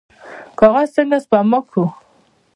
کاغذ څنګه سپما کړو؟